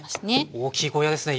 大きいゴーヤーですね。